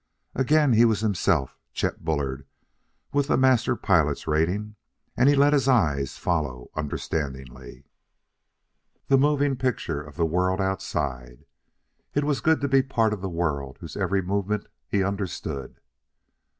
Again he was himself, Chet Bullard, with a Master Pilot's rating; and he let his eyes follow understandingly the moving picture of the world outside. It was good to be part of a world whose every movement he understood.